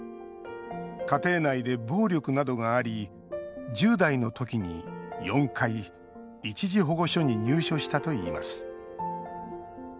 家庭内で暴力などがあり１０代の時に４回一時保護所に入所したといいます。